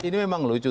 ini memang lucu